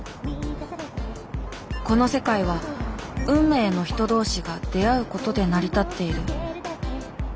この世界は運命の人同士が出会うことで成り立っている。